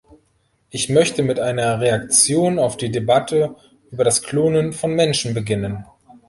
Ich möchte mit einer Reaktion auf die Debatte über das Klonen von Menschen beginnen.